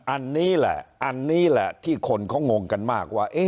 อันนี้แหละอันนี้แหละที่คนเขางงกันมากว่า